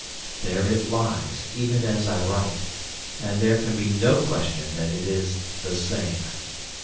There it lies, even as I write, and there can be no question that it is the same.